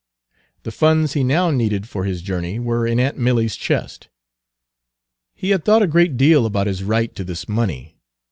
The funds he now needed for his journey were in aunt Milly's chest. He had thought a great deal about his right to this money.